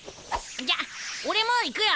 じゃあ俺もう行くよ。